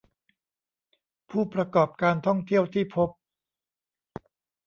ผู้ประกอบการท่องเที่ยวที่พบ